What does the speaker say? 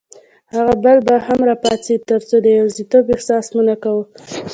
هغه بل به هم راپاڅېد، ترڅو د یوازیتوب احساس مو نه کاوه.